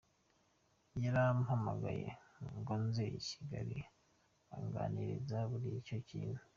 Yarampamagaye ngo nze i Kigali anganiriza kuri icyo kintu.